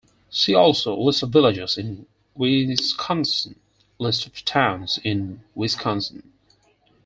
See also: List of villages in Wisconsin, List of towns in Wisconsin.